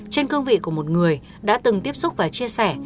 trên cương vị của một người đã từng tiếp xúc và chia sẻ